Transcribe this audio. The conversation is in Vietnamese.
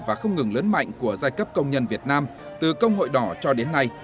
và không ngừng lớn mạnh của giai cấp công nhân việt nam từ công hội đỏ cho đến nay